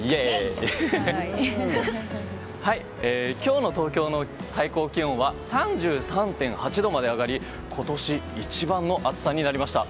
今日の東京の最高気温は３３．８度まで上がり今年一番の暑さになりました。